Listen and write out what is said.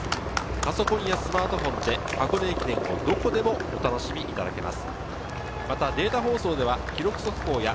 パソコンやスマートフォンで箱根駅伝をどこでもお楽しみいただけます。